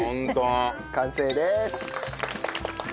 完成です。